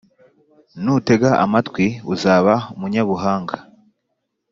nutega amatwi, uzaba umunyabuhanga